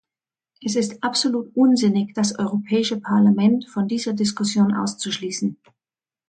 Es ist absolut unsinnig, das Europäische Parlament von dieser Diskussion auszuschließen.